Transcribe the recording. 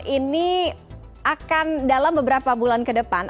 ini akan dalam beberapa bulan kedepan